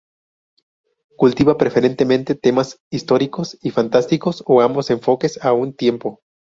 Cultiva preferentemente temas históricos y fantásticos o ambos enfoques a un tiempo.